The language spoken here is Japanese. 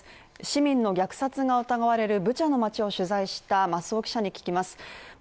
市民の虐殺が疑われるブチャの街を取材した増尾記者に聞きます。